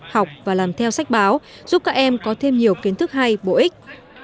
học và làm theo sách báo giúp các em có thêm nhiều kiến thức hay bổ ích